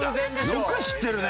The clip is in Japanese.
よく知ってるね。